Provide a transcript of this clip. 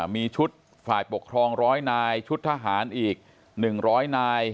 มีชุดฝ่ายปกครอง๑๐๐นายชุดทหารอีก๑๐๐นาย